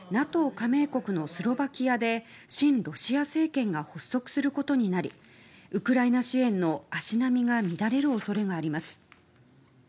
加盟国のスロバキアで親ロシア政権が発足することになりウクライナ支援の足並みが乱れる恐れがあります。